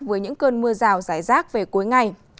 với những cơn mưa rào rải rác về cuối ngày